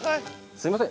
すいません。